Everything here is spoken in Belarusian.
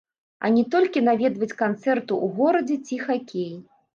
А не толькі наведваць канцэрты ў горадзе ці хакей.